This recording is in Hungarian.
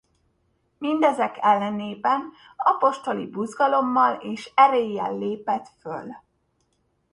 Mindezek ellenében apostoli buzgalommal és eréllyel lépett föl.